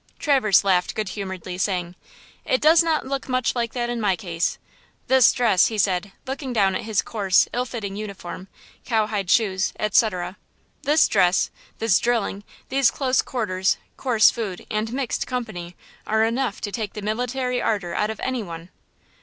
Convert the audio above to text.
Traverse laughed good humoredly, saying: "It does not look much like that in my case. This dress," he said, looking down at his coarse, ill fitting uniform, cowhide shoes, etc.; "this dress, this drilling, these close quarters, coarse food and mixed company are enough to take the military ardor out of any one!"